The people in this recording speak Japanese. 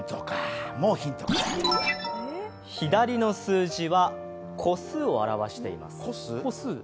左の数字は個数を表しています。